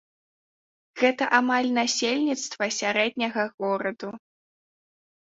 Гэта амаль насельніцтва сярэдняга гораду.